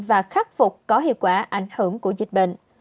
và khắc phục có hiệu quả ảnh hưởng của dịch bệnh